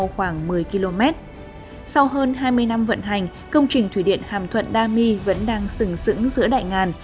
khoảng một mươi km sau hơn hai mươi năm vận hành công trình thủy điện hàm thuận đa my vẫn đang sửng sững giữa đại ngàn